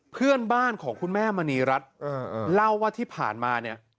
เพื่อนบ้านของคุณแม่มณีรัฐเล่าว่าที่ผ่านมาเนี่ย